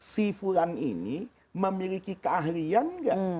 syifulan ini memiliki keahlian gak